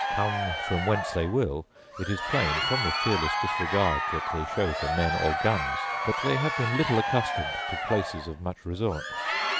Come from whence they will, it is plain, from the fearless disregard that they show for men or guns, that they have been little accustomed to places of much resort.